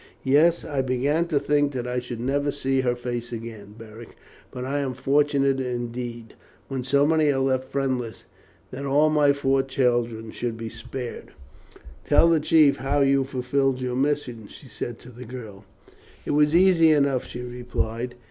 "Yes, I began to think that I should never see her face again, Beric; but I am fortunate indeed, when so many are left friendless, that all my four children should be spared. "Tell the chief how you fulfilled your mission," she said to the girl. "It was easy enough," she replied.